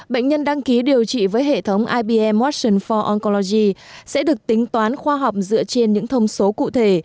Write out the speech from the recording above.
bệnh nhân đăng ký điều trị với hệ thống ibm wattion ford oncology sẽ được tính toán khoa học dựa trên những thông số cụ thể